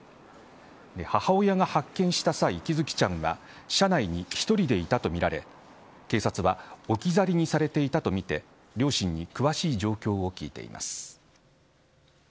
母親が発見した際喜寿生ちゃんは車内に１人でいたとみられ警察は置き去りにされていたとみて両親に詳しい状況を聞いています。